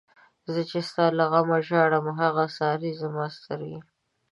زه چی ستا له غمه ژاړم، هغه څاری زما سترگی